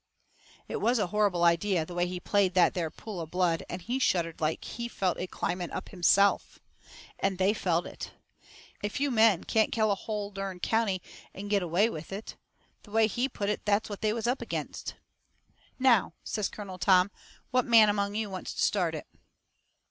It was a horrible idea, the way he played that there pool of blood and he shuddered like he felt it climbing up himself. And they felt it. A few men can't kill a hull, dern county and get away with it. The way he put it that's what they was up against. "Now," says Colonel Tom, "what man among you wants to start it?"